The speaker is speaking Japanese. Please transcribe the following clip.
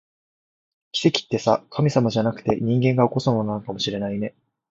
奇跡ってさ、神様じゃなくて、人間が起こすものなのかもしれないね